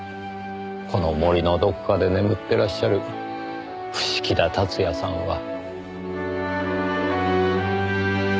この森のどこかで眠ってらっしゃる伏木田辰也さんは。